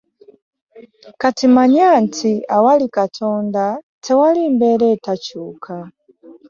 Kati manya nti awali Katonda tewali mbeera etakyuka.